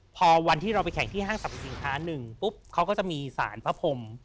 พอวันที่เราไปแข่งที่ห้างสรรพสินค้าหนึ่งปุ๊บเขาก็จะมีสารพระพรม